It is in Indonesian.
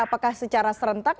apakah secara serentak